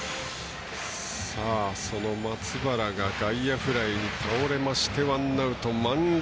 その松原が外野フライに倒れましてワンアウト満塁。